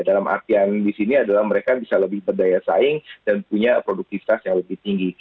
dalam artian di sini adalah mereka bisa lebih berdaya saing dan punya produktivitas yang lebih tinggi